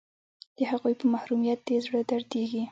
د هغوی په محرومیت دې زړه دردیږي